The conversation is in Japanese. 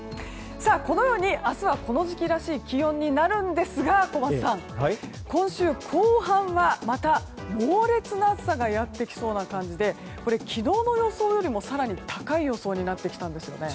このように明日はこの時期らしい気温になるんですが小松さん、今週後半はまた猛烈な暑さがやってきそうな感じで昨日の予想よりも更に高い予想になってきたんですね。